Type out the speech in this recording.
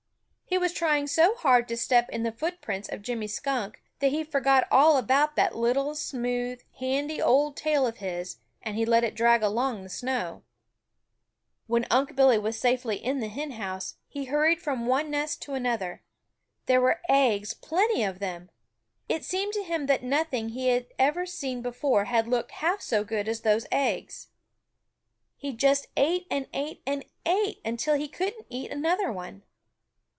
He was trying so hard to step in the footprints of Jimmy Skunk, that he forgot all about that little, smooth, handy old tail of his, and he let it drag along the snow. [Illustration: He just ate and ate until he couldn't eat another one.] When Unc' Billy was safely in the hen house, he hurried from one nest to another. There were eggs, plenty of them. It seemed to him that nothing he had ever seen before had looked half so good as those eggs. He just ate and ate and ate until he couldn't eat another one.